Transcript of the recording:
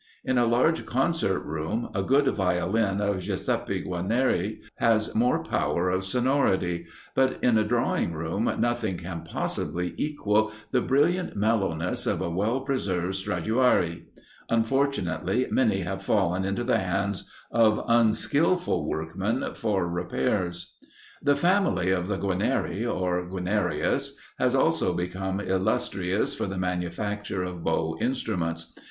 In a large concert room a good Violin of Giuseppe Guarnieri has more power of sonority; but in a drawing room nothing can possibly equal the brilliant mellowness of a well preserved Stradiuari. Unfortunately many have fallen into the hands of unskilful workmen for repairs. The family of the Guarnieri or Guarnerius has also become illustrious for the manufacture of bow instruments.